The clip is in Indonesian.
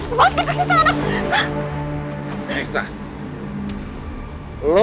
ooskan kasih tangan lo